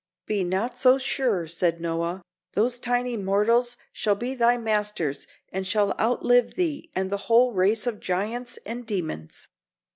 "Be not so sure," said Noah. "Those tiny mortals shall be thy masters and shall outlive thee and the whole race of giants and demons."